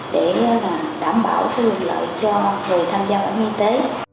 để đảm bảo quyền lợi cho người tham gia bảo hiểm y tế